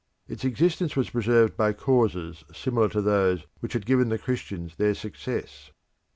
Its existence was preserved by causes similar to those which had given the Christians their success.